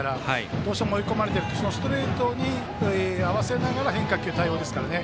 どうしても追い込まれるとストレートに合わせながら変化球対応ですからね。